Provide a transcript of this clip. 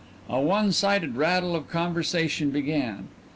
A one sided rattle of conversation began.